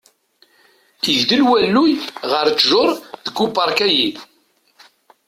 Igdel walluy ɣer ttjuṛ deg upark-ayi.